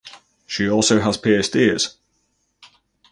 She also has pierced ears.